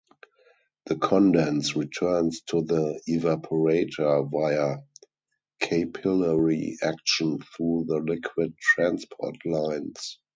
The condense returns to the evaporator via capillary action through the liquid transport lines.